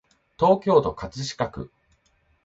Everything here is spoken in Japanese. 東京都葛飾区